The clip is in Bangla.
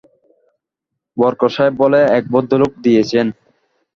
বরকত সাহেব বলে এক ভদ্রলোক দিয়েছেন।